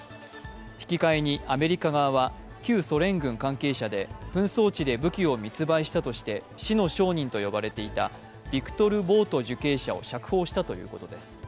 引き換えにアメリカ側は旧ソ連軍関係者で紛争地で武器を密売したとして死の商人と呼ばれていたビクトル・ボウト受刑者を釈放したということです。